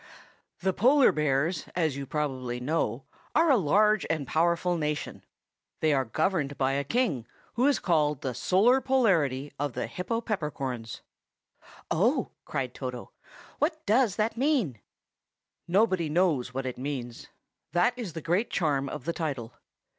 The polar bears, as you probably know, are a large and powerful nation. They are governed by a king, who is called the Solar Polarity of the Hypopeppercorns. "Oh!" cried Toto. "What does that mean?" Nobody knows what it means. That is the great charm of the title.